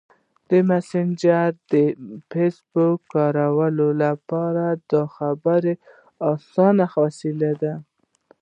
مسېنجر د فېسبوک کاروونکو لپاره د خبرو اسانه وسیله ده.